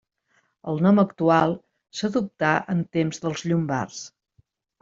El nom actual s'adoptà en temps dels llombards.